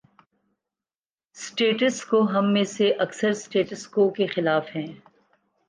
’Status quo‘ ہم میں سے اکثر 'سٹیٹس کو‘ کے خلاف ہیں۔